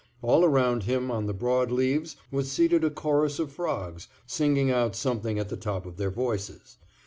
All around him on the broad leaves was seated a chorus of frogs, singing out something at the top of their voices.